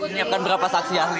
menyiapkan berapa saksi ya